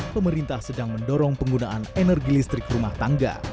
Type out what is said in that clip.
pemerintah sedang mendorong penggunaan energi listrik rumah tangga